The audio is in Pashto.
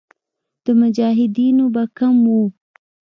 د مجاهدینو به کم وو.